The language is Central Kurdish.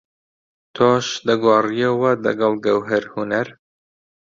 تۆش دەگۆڕیەوە دەگەڵ گەوهەر هونەر؟